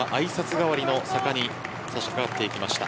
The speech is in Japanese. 代わりの坂に差しかかって行きました。